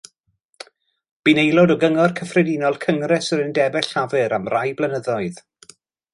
Bu'n aelod o Gyngor Cyffredinol Cyngres yr Undebau Llafur am rai blynyddoedd.